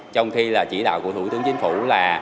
trong khi là chỉ đạo của thủ tướng chính phủ là